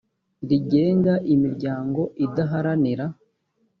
rigenga imiryango idaharanira